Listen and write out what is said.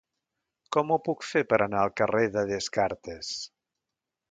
Com ho puc fer per anar al carrer de Descartes?